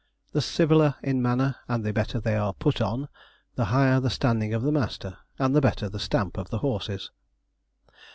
The civiler in manner, and the better they are 'put on,' the higher the standing of the master, and the better the stamp of the horses.